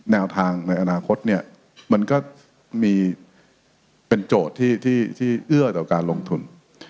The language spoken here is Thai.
แนวทางในอนาคตเนี่ยมันก็มีเป็นโจทย์ที่เอื้อต่อการลงทุน